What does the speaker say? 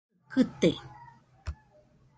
Llɨkɨaɨ kɨte.